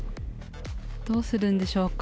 どうするんでしょうか。